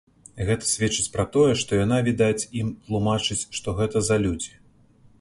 Гэта сведчыць пра тое, што яна, відаць, ім тлумачыць, што гэта за людзі.